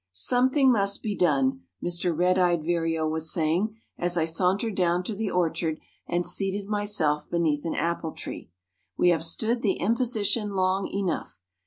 "Something must be done," Mr. Red eyed Vireo was saying, as I sauntered down to the orchard and seated myself beneath an apple tree, "we have stood the imposition long enough.